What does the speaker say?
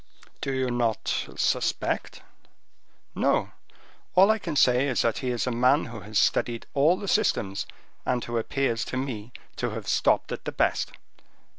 "Do you not suspect?" "No; all I can say is that he is a man who has studied all the systems, and who appears to me to have stopped at the best."